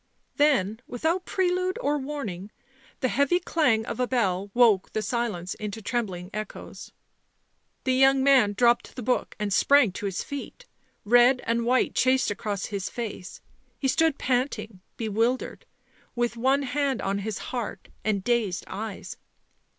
Then, without prelude or warning, the heavy clang of a bell woke the silence into trembling echoes. The young man dropped the book and sprang to his feet ; red and white chased across his face, he stood panting, bewildered, with one hand on his heart, and dazed eyes.